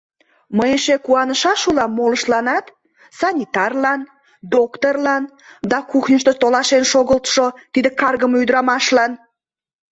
— Мый эше куанышаш улам молыштланат: санитарлан, доктырлан да кухньышто толашен шогылтшо тиде каргыме ӱдырамашлан!